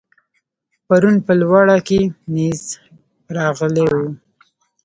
پرون په لوړه کې نېز راغلی و.